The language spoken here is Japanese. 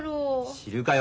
知るかよ